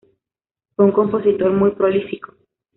Fue un compositor muy prolífico.